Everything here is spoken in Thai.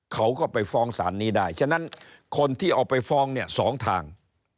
เขาก็ไปฟ้องสารนี้ได้ฉะนั้นคนที่เอาไปฟ้องเนี่ย๒ทาง